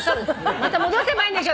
また戻せばいいんでしょ。